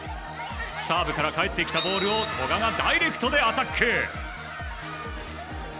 サーブから帰ってきたボールを古賀がダイレクトでアタック。